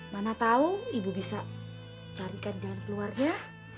mana tahu ibu bisa carikan jalan keluarnya